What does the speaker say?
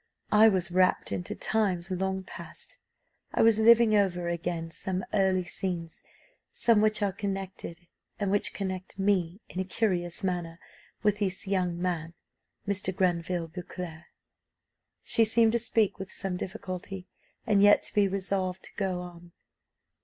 I was rapt into times long past: I was living over again some early scenes some which are connected, and which connect me, in a curious manner, with this young man, Mr. Granville Beauclerc." She seemed to speak with some difficulty, and yet to be resolved to go on.